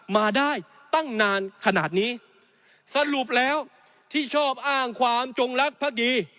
มาได้ตั้งนานขนาดนี้สรุปแล้วที่ชอบอ้างความจงรักภักดี